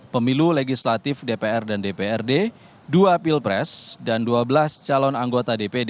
pemilu legislatif dpr dan dprd dua pilpres dan dua belas calon anggota dpd